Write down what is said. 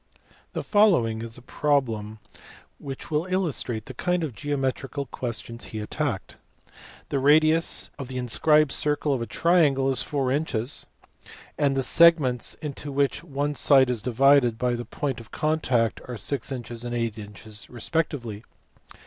The following problem will illustrate the kind of geome trical questions he attacked. The radius of the inscribed circle of a triangle is 4 inches, and the segments into which one side is divided by the point of contact are 6 inches and 8 inches respectively.